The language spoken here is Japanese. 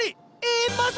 えっ！